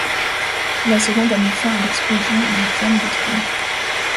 La seconde a mis fin à l'exclusion des femmes du trône.